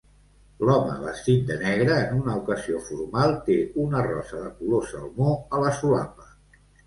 L'home vestit de negre en una ocasió formal té una rosa de color salmó a la solapa.